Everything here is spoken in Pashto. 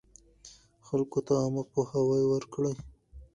خلکو ته عامه پوهاوی ورکړئ.